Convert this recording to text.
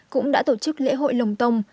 cũng đã tổ chức lễ hội lồng tông